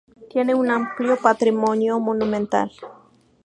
Tiene un amplio patrimonio monumental.